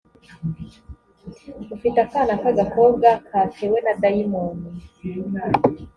ufite akana k agakobwa katewe na dayimoni